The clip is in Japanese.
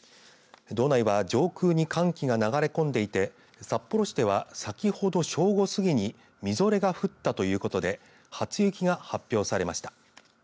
道内は上空に寒気が流れ込んでいて札幌市では、先ほど正午過ぎにみぞれが降ったということで初雪が発表されました。